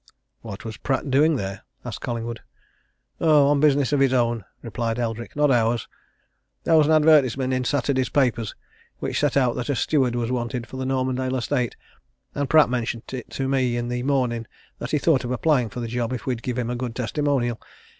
"What was Pratt doing there?" asked Collingwood. "Oh, business of his own," replied Eldrick. "Not ours. There was an advertisement in Saturday's papers which set out that a steward was wanted for the Normandale estate, and Pratt mentioned it to me in the morning that he thought of applying for the job if we'd give him a good testimonial.